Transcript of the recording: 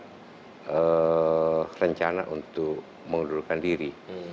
jadi kita masih belum ada rencana untuk mengundurkan diri